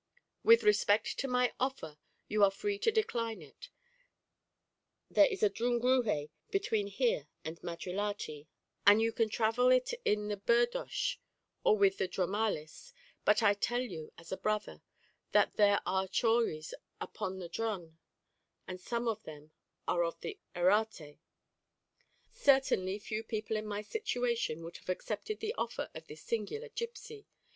With respect to my offer, you are free to decline it; there is a drungruje between here and Madrilati, and you call travel it in the birdoche, or with the dromalis; but I tell you, as a brother, that there are chories upon the drun, and some of them are of the Errate. Certainly few people in my situation would have accepted the offer of this singular gipsy.